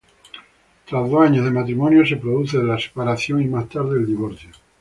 Tras dos años de matrimonio se produce la separación y más tarde el divorcio.